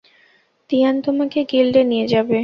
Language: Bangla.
তিয়ান তোমাকে গিল্ডে নিয়ে যাবে।